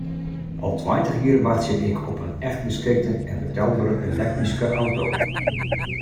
Al tweintich jier wachtsje ik op in echt geskikte en betelbere elektryske auto.